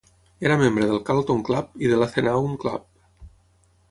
Era membre del Carlton Club i de l'Athenaeum Club.